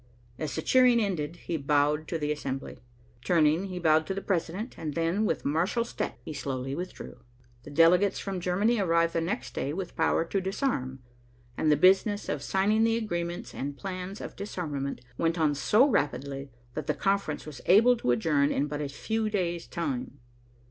As the cheering ended, he bowed to the assembly. Turning, he bowed to the president, and then, with martial step, he slowly withdrew. The delegates from Germany arrived the next day with power to disarm, and the business of signing the agreements and plans of disarmament went on so rapidly that the conference was able to adjourn in but a few days' time.